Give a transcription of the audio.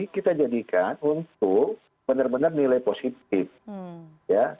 kita jadikan untuk benar benar nilai positif ya